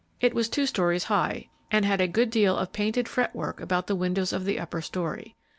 It was two stories high, and had a good deal of painted fret work about the windows of the upper story.